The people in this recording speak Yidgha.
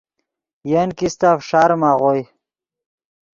ین کیستہ فݰاریم آغوئے۔